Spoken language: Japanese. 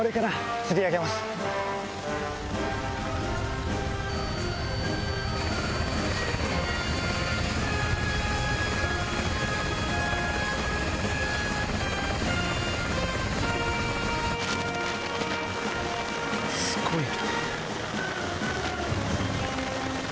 すごいな！